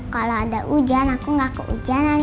kalau ada hujan aku gak keujanan